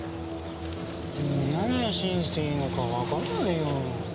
もう何を信じていいのかわからないよ。